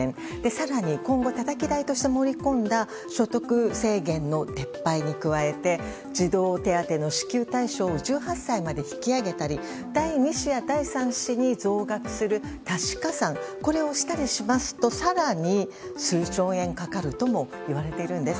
更に、今後たたき台として盛り込んだ所得制限の撤廃に加えて児童手当の支給対象を１８歳まで引き上げたり第２子や第３子に増額する多子加算、これをしたりしますと更に数兆円かかるともいわれているんです。